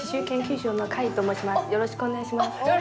よろしくお願いします。